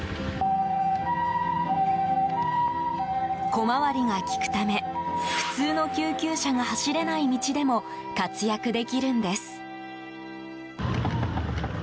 小回りが利くため普通の救急車が走れない道でも活躍できるんです。